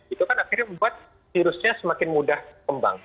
itu kan akhirnya membuat virusnya semakin mudah kembang